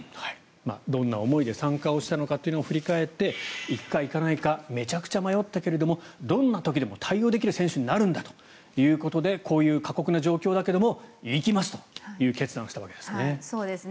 どんな思いで参加をしたのか振り返って行くか行かないかめちゃくちゃ迷ったけれどもどんな時でも対応できる選手になるんだということでこういう過酷な状況だけど行きますという決断をしたわけですね。